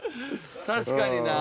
確かにな。